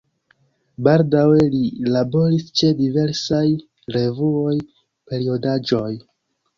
Baldaŭe li laboris ĉe diversaj revuoj, periodaĵoj.